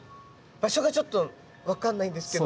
場所がちょっと分かんないんですけど。